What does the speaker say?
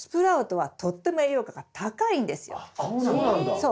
そう。